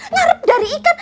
ngarep dari ikan